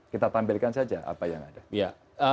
kita tampilkan saja apa yang ada